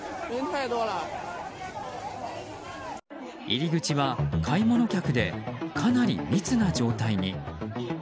入り口は買い物客でかなり密な状態に。